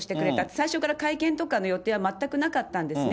最初から会見とかの予定は全くなかったんですね。